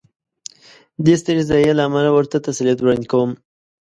دې سترې ضایعې له امله ورته تسلیت وړاندې کوم.